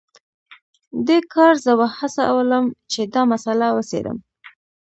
دې کار زه وهڅولم چې دا مسله وڅیړم